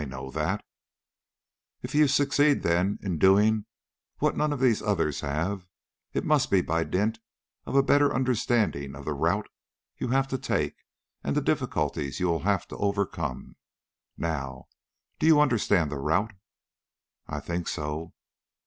"I know that." "If you succeed then in doing what none of these others have, it must be by dint of a better understanding of the route you have to take and the difficulties you will have to overcome. Now, do you understand the route?" "I think so."